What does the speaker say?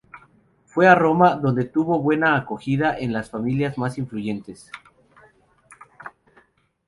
Fue a Roma, donde tuvo buena acogida en las familias más influyentes.